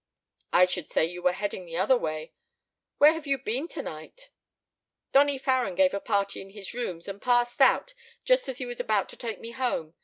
"I should say you were heading the other way. Where have you been tonight?" "Donny Farren gave a party in his rooms and passed out just as he was about to take me home.